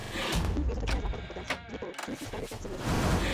První filosofické základy hypotéz vzniku rud přinesly starověké civilizace.